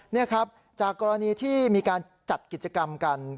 นี่ครับจากกรณีที่มีการจัดกิจกรรมกัน